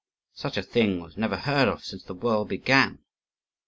"Such a thing was never heard of since the world began.